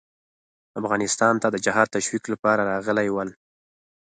افغانستان ته د جهاد تشویق لپاره راغلي ول.